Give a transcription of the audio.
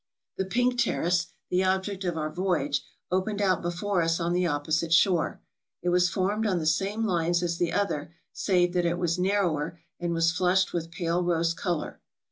The Pink Terrace, the object of our voyage, opened out before us on the opposite shore. It was formed on the same lines as the other, save that it was narrower, and was flushed with pale rose color.